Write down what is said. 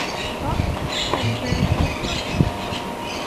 Bach, and grand opera.